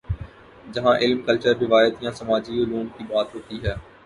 جہاں علم، کلچر، روایت یا سماجی علوم کی بات ہوتی ہے۔